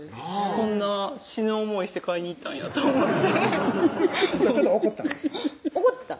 そんな死ぬ思いして買いに行ったんやと思ってちょっと怒ったんです怒ってた？